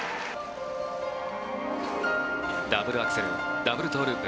ダブルアクセルダブルトウループ